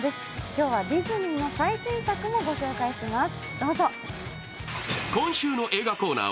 今日はディズニーの最新作もご紹介します。